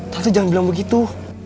tante jangan bilang begitu